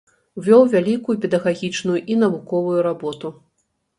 Вёў вялікую педагагічную і навуковую работу.